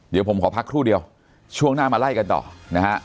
เดี๋ยวผมขอพักครู่เดียวช่วงหน้ามาไล่กันต่อนะฮะ